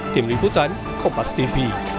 tim liputan kopas tv